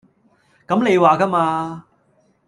咁你話架嘛